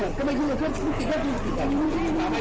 โทรแล้วมันจุดเดรัมที่เรียนพอนตรงที่ที่อ่ะค่ะ